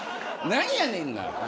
何やねんな。